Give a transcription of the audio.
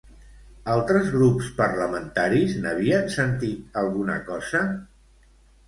Altres grups parlamentaris n'havien sentit alguna cosa?